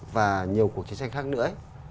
và nhiều cuộc chiến tranh khác nữa